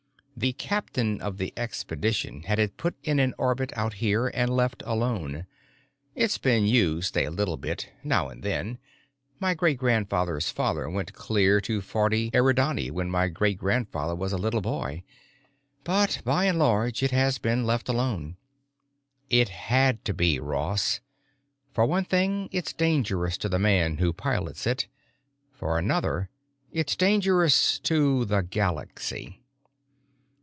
The captain of the expedition had it put in an orbit out here, and left alone. It's been used a little bit, now and then—my great grandfather's father went clear to 40 Eridani when my great grandfather was a little boy, but by and large it has been left alone. It had to be, Ross. For one thing, it's dangerous to the man who pilots it. For another, it's dangerous to—the Galaxy."